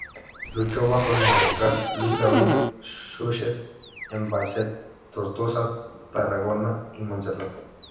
Luchó bajo el mariscal Louis Gabriel Suchet en Falset, Tortosa, Tarragona y Montserrat.